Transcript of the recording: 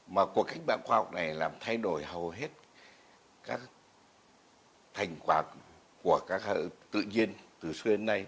mà cuộc cách mạng khoa học này làm thay đổi hầu hết các thành quả của các tự nhiên từ xưa đến nay